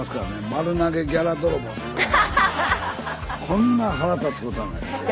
こんな腹立つことはない。